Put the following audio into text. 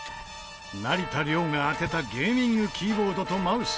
成田凌が当てたゲーミングキーボードとマウス。